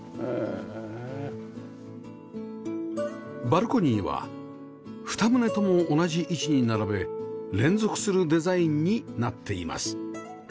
バルコニーは２棟とも同じ位置に並べ連続するデザインになっています